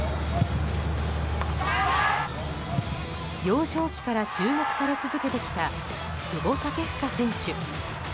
幼少期から注目され続けてきた久保建英選手。